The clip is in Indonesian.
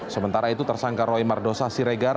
sementara itu tersangka roy mardosa siregar